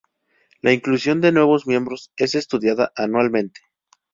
La inclusión de nuevos miembros es estudiada anualmente.